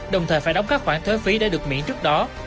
đồng thời phải đóng các khoản thuế phí đã được miễn trước đó